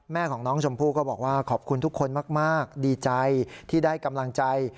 แม่ของน้องชมพู่ก็บอกว่าขอบคุณทุกคนมากดีใจที่ได้กำลังใจ